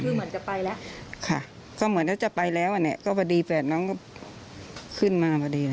เหมือนจะไปและค่ะเหมือนจะไปแล้วเนี่ยก็พะดีแฝดน้องโอเคนะ